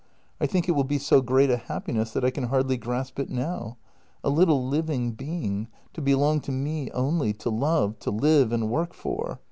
I think it will be so great a happiness that I can hardly grasp it now. A little living being, to belong to me only, to love, to live and work for.